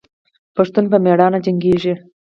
پښتون په میړانه جنګیږي.